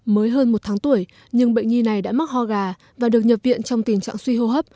mới hơn một tháng tuổi nhưng bệnh nhi này đã mắc ho gà và được nhập viện trong tình trạng suy hô hấp